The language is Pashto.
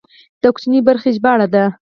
د کوچنۍ برخې ژباړه ده.